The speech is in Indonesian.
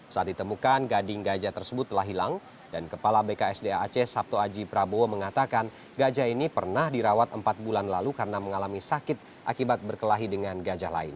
saat ditemukan gading gajah tersebut telah hilang dan kepala bksda aceh sabto aji prabowo mengatakan gajah ini pernah dirawat empat bulan lalu karena mengalami sakit akibat berkelahi dengan gajah lain